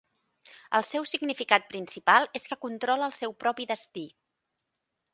El seu significat principal és que controla el seu propi destí.